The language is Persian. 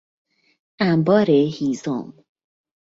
انبار هیزم